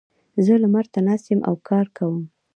زه لمر ته ناست یم او کار کوم.